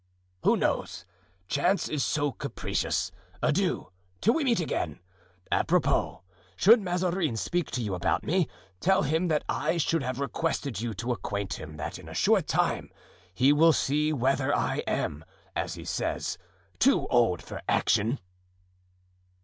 "Who knows? Chance is so capricious. Adieu, till we meet again! Apropos, should Mazarin speak to you about me, tell him that I should have requested you to acquaint him that in a short time he will see whether I am, as he says, too old for action."